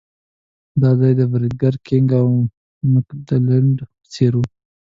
دا ځای د برګر کېنګ او مکډانلډ په څېر و.